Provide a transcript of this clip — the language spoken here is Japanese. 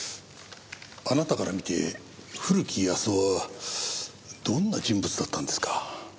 あなたから見て古木保男はどんな人物だったんですか？